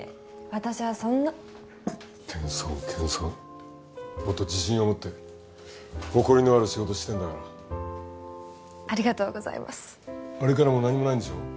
私はそんな謙遜謙遜もっと自信を持って誇りのある仕事してんだからありがとうございますあれからもう何もないんでしょ？